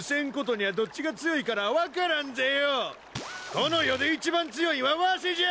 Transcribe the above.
この世で一番強いんはわしじゃ